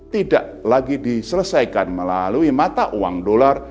tidak lagi diselesaikan melalui mata uang dolar